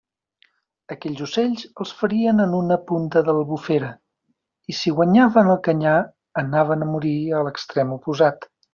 Aquells ocells els ferien en una punta de l'Albufera, i si guanyaven el canyar, anaven a morir a l'extrem oposat.